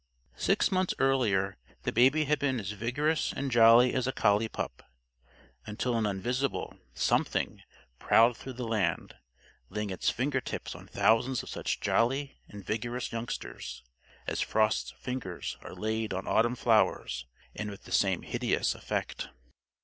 Six months earlier, the Baby had been as vigorous and jolly as a collie pup. Until an invisible Something prowled through the land, laying Its finger tips on thousands of such jolly and vigorous youngsters, as frost's fingers are laid on autumn flowers and with the same hideous effect.